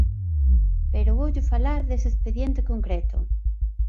Pero voulle falar dese expediente concreto.